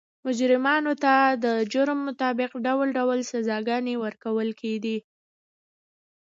مجرمانو ته د جرم مطابق ډول ډول سزاګانې ورکول کېدې.